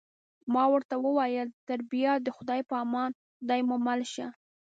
ما ورته وویل: تر بیا د خدای په امان، خدای مو مل شه.